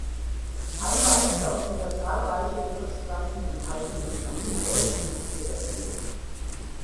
Ein Beispiel aus dieser zahlreiche Gewürzpflanzen enthaltenden Familie ist die Petersilie.